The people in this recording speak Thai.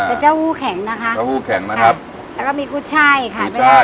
แต่เต้าหู้แข็งนะคะเต้าหู้แข็งนะครับแล้วก็มีกุ้งไช่ค่ะมีไช่